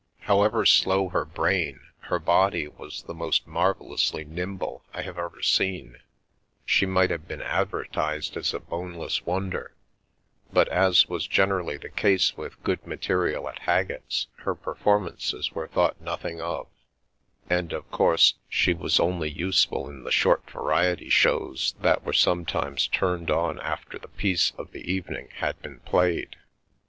However slow her brain, her body was the most marvellously nimble I have ever seen — she might have been advertised as a boneless wonder; but, as was generally the case with good material at Haggett's, her performances were thought nothing of, and, of course, she was only useful in the short variety shows that were sometimes turned on after the piece of the evening had been played.